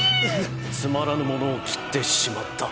「つまらぬものを斬ってしまった」。